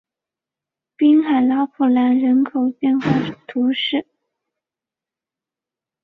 滨海拉普兰人口变化图示